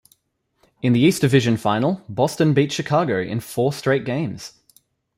In the East Division final, Boston beat Chicago in four straight games.